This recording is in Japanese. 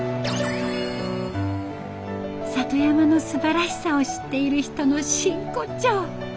里山のすばらしさを知っている人の真骨頂！